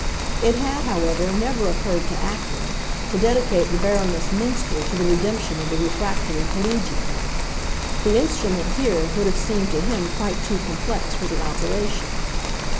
It had, however, never occurred to Acton to dedicate the Baroness Münster to the redemption of a refractory collegian. The instrument, here, would have seemed to him quite too complex for the operation.